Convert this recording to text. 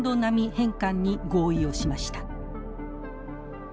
返還に合意をしました。